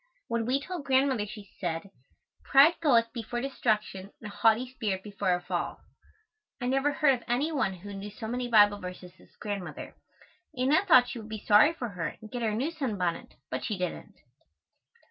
When we told Grandmother she said, "Pride goeth before destruction and a haughty spirit before a fall." I never heard of any one who knew so many Bible verses as Grandmother. Anna thought she would be sorry for her and get her a new sunbonnet, but she didn't.